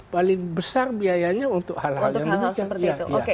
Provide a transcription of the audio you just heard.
paling besar biayanya untuk hal hal yang demikian